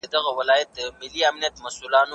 قصاص ټولنه له ظلم څخه ژغوري.